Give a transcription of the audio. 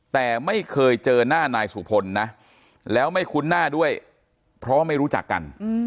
แต่ไม่เคยเจอหน้านายสุพลนะแล้วไม่คุ้นหน้าด้วยเพราะว่าไม่รู้จักกัน